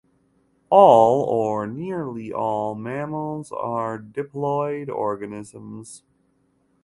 All or nearly all mammals are diploid organisms.